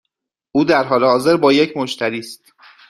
او در حال حاضر با یک مشتری است.